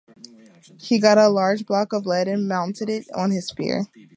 He got a large block of lead and mounted it on his spear.